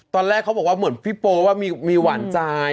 ตอนแรกเขาบอกว่าเหมือนพี่โปว่ามีหวานใจ